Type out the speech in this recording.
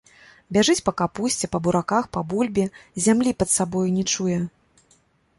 Бяжыць па капусце, па бураках, па бульбе, зямлі пад сабою не чуе.